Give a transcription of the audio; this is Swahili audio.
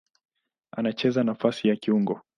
Anacheza nafasi ya kiungo.